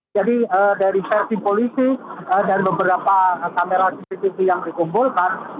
jadi dari versi polisi dan beberapa kamera cctv yang dikumpulkan